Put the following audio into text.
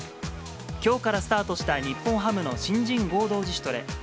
きょうからスタートした日本ハムの新人合同自主トレ。